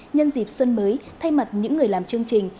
nhân dịp xuân mới thay mặt những người làm chương trình